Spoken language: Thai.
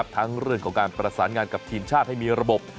ทั้งเรื่องของการประสานงานกับทีมชาติให้มีระบบ